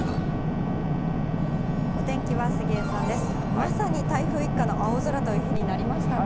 まさに台風一過の青空という日になりましたね。